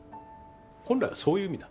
本来はそういう意味だ。